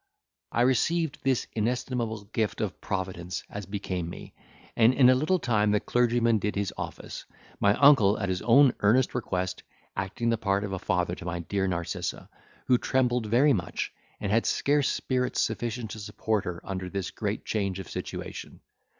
I received this inestimable gift of Providence as became me; and in a little time the clergyman did his office, my uncle, at his own earnest request, acting the part of a father to my dear Narcissa, who trembled very much, and had scarce spirits sufficient to support her under this great change of situation.